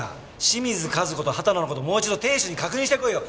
清水和子と秦野の事もう一度亭主に確認してこいよ。